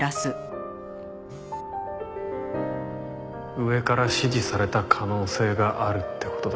上から指示された可能性があるって事だ。